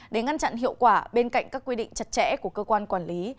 để ngăn chặn hiệu quả bên cạnh các quy định chặt chẽ của cơ quan quản lý